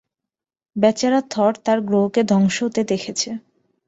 বেচারা থর তার গ্রহকে ধ্বংস হতে দেখেছে।